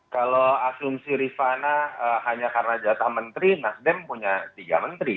kalau asumsi rifana hanya karena jatah menteri nasdem punya tiga menteri